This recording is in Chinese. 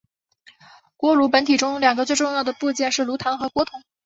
锅炉本体中两个最主要的部件是炉膛和锅筒。